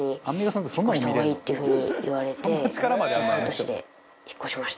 いう風に言われて半年で引っ越しました。